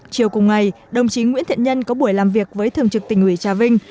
chiều cùng ngày đồng chí nguyễn thiện nhân có buổi làm việc với thường trực tỉnh ủy trà vinh